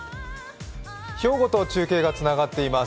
兵庫と中継がつながっています。